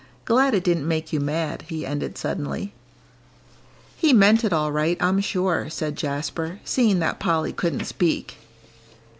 Glad it didn't make you mad," he ended suddenly. "He meant it all right, I'm sure," said Jasper, seeing that Polly couldn't speak.